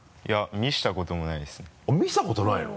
見せたことないの？